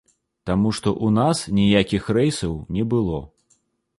Таму што ў нас ніякіх рэйсаў не было.